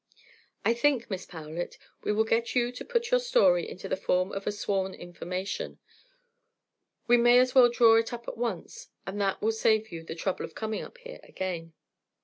I think, Miss Powlett, we will get you to put your story into the form of a sworn information. We may as well draw it up at once, and that will save you the trouble of coming up here again."